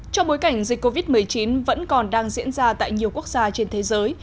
trong bối cảnh dịch covid một mươi chín vẫn còn đang diễn ra tại nhiều quốc gia trên thế giới